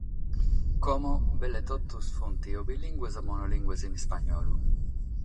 Como, belle totus sunt o bilìngues o monolìngues in ispagnolu.